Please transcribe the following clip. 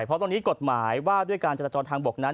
เพราะตรงนี้กฎหมายว่าด้วยการจราจรทางบกนั้น